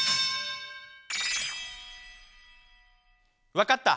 わかった！